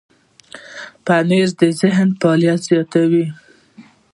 پنېر د ذهن فعالیت زیاتوي.